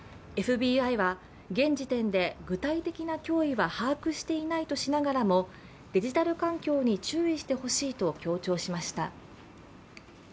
ＦＢＩは、現時点で具体的な脅威は把握していないとしながらもデジタル環境に注意してほしいと強調しました。